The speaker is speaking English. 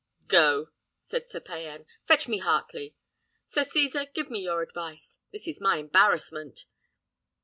"Go!" said Sir Payan; "fetch me Heartley. Sir Cesar, give me your advice. This is my embarrassment!"